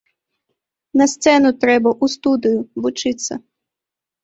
На сцэну трэба, у студыю, вучыцца.